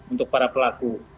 untuk para pelaku